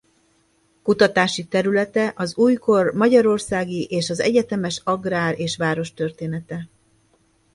Kutatási területe az újkor magyarországi és az egyetemes agrár- és várostörténete.